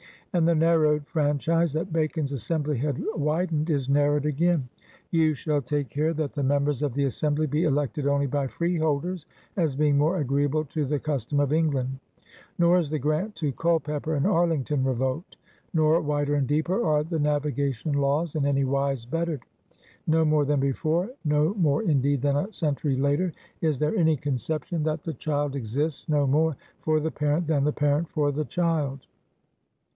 " And the narrowed franchise that Bacon's Assembly had widened is narrowed again. ^' You shall take care that the members of the Assembly be elected only by f reeholders> as being more agreeable to the cus tom of England. Nor is the grant to Culpeper and Arlington revoked. Nor, wider and deeper, are the Navigation Laws in any wise bettered. No more than before, no more indeed than a century later, is there any conception that the child exists no more for the parent than the parent for the child.